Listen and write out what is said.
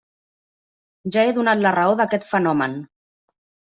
Ja he donat la raó d'aquest fenomen.